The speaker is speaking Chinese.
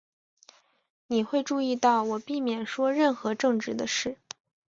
你会注意到我避免说任何政治的事。